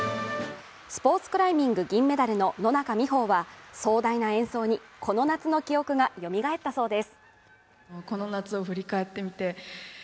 スポーツクライミング銀メダルの野中生萌は、壮大な演奏に、この夏の記憶がよみがえったそうです。